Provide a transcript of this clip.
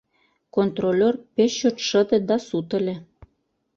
Контролёр пеш чот шыде да сут ыле.